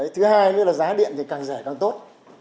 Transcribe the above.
thứ hai nữa là giá điện thì càng rẻ càng tốt